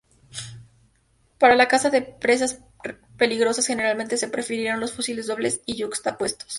Para la caza de presas peligrosas, generalmente se prefieren los fusiles dobles yuxtapuestos.